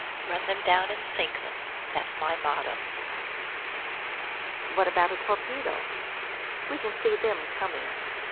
Run them down and sink them, that's my motto." "What about a torpedo?" "We can see them coming.